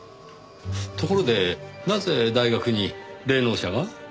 ところでなぜ大学に霊能者が？